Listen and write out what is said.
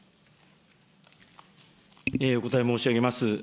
お答え申し上げます。